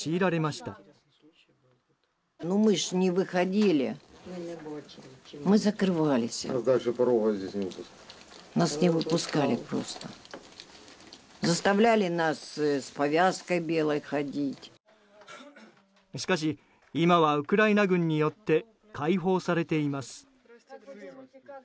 しかし今はウクライナ軍によって解放されています。